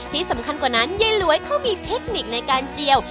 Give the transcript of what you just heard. ที่สำคัญกว่านั้นยายหลวยเขามีเทคนิคในการเจียว